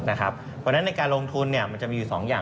เพราะฉะนั้นในการลงทุนมันจะมีอยู่๒อย่าง